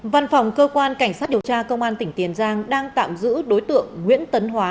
văn phòng cơ quan cảnh sát điều tra công an tỉnh tiền giang đang tạm giữ đối tượng nguyễn tấn hóa